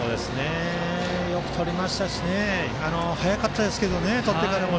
よくとりましたし早かったですしね、とってからも。